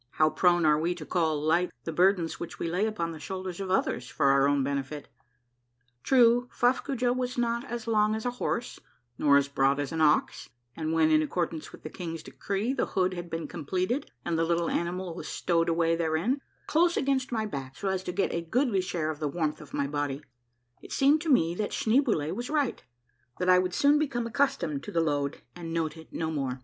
How prone are we to call light the burdens which we lay upon the shoulders of others for our own benefit? True, F uffcoojah was not as long as a horse, nor as broad as an ox, and when in accordance with the king's decree the hood had been completed and the little animal was stowed away therein, close against my back so as to get a goodly share of the warmth of my body, it seemed to me that Schneeboule was right, that I would soon become accustomed to the load and note it no more.